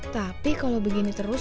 tapi kalau begini terus